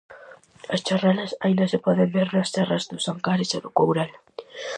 As charrelas aínda se poden ver nas serras dos Ancares e do Courel.